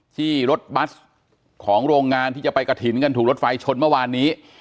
ที่รถบัสของโรงงานที่จะไปกระถิ่นกันถูกรถไฟชนเมื่อวานนี้